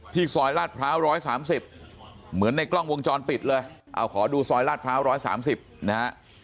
ซอยลาดพร้าว๑๓๐เหมือนในกล้องวงจรปิดเลยเอาขอดูซอยลาดพร้าว๑๓๐นะฮะ